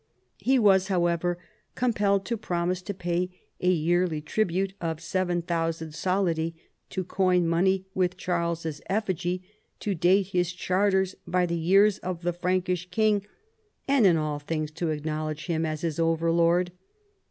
He was, however, compelled to promise to pay a yearly tribute of 7000 solldi^ to coin money with Charles's Q^^^y, to date his charters by the years of the Prankish king, and in all things to acknowledge him as his over lord.